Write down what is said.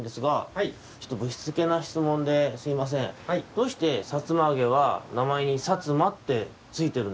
どうして「さつまあげ」はなまえに「さつま」ってついてるんですか？